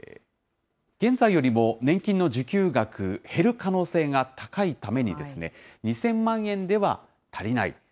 現在よりも年金の受給額、減る可能性が高いために、２０００万円では足りない。